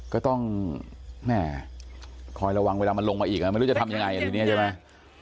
ก็ต้องแม่คอยระวังเวลามันลงมาอีกไม่รู้จะทำยังไงทีนี้ใช่ไหม